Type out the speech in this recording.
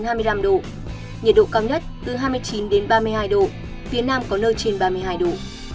nhiệt độ cao nhất từ hai mươi chín đến ba mươi hai độ phía nam có nơi trên ba mươi hai độ